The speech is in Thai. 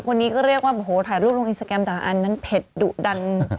คนนี้ก็เรียกว่าโอ้โหถ่ายรูปลงอินสตาแกรมต่างอันนั้นเผ็ดดุดัน